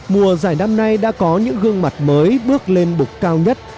mùa giải năm nay đã có những gương mặt mới bước lên bục cao nhất